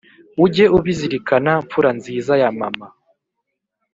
Ujye ubizirikana mfura nziza ya Mama !